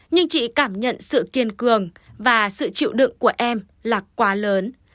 nhưng chị cảm nhận sự kiên cường và sự chịu đựng của em là quá lớn